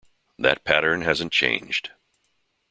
That pattern hasn't changed.